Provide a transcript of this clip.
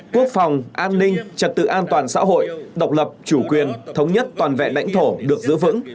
quốc phòng an ninh trật tự an toàn xã hội độc lập chủ quyền thống nhất toàn vẹn lãnh thổ được giữ vững